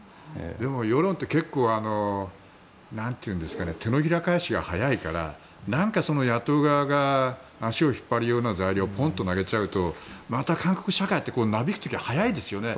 世論って結構手のひら返しが早いから何か野党側が足を引っ張るような材料をポンと投げちゃうとまた韓国社会ってなびくときは早いですよね。